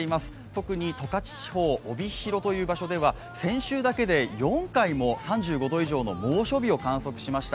特に十勝地方、帯広という場所では先週だけで４回も３５度以上の猛暑日を観測しました。